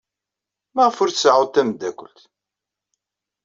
Maɣef ur tseɛɛuḍ tameddakelt?